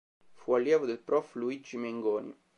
Fu allievo del Prof. Luigi Mengoni.